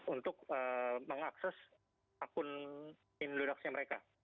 untuk mengakses akun indodoc nya mereka